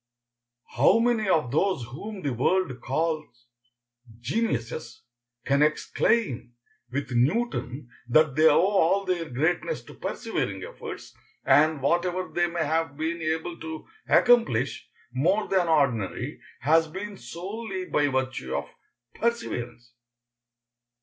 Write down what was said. How many of those whom the world calls geniuses can exclaim with Newton that they owe all their greatness to persevering efforts, and whatever they may have been able to accomplish more than ordinary has been solely by virtue of perseverance?